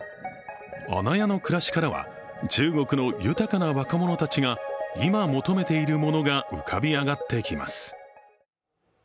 阿那亜の暮らしからは中国の豊かな若者たちが今、求めているものが浮かび上がってきます。